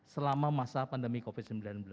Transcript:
selama masa pandemi covid sembilan belas